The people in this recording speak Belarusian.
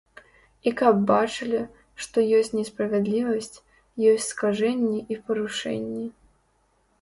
І каб бачылі, што ёсць несправядлівасць, ёсць скажэнні і парушэнні.